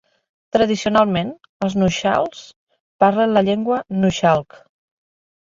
Tradicionalment, els nuxalks parlen la llengua nuxalk.